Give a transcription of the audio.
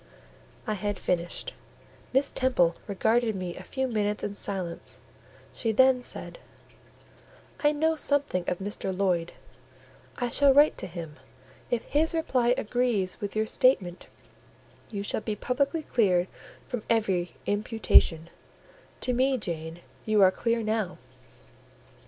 I had finished: Miss Temple regarded me a few minutes in silence; she then said— "I know something of Mr. Lloyd; I shall write to him; if his reply agrees with your statement, you shall be publicly cleared from every imputation; to me, Jane, you are clear now."